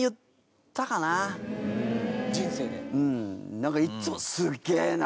なんかいつも「すげえな！」